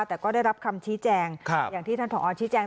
แต่ก็ได้รับคำชี้แจงอย่างที่ท่านผอชี้แจง